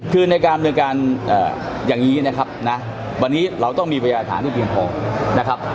คือในการดำเนินการอย่างนี้นะครับนะวันนี้เราต้องมีพยาฐานที่เพียงพอนะครับ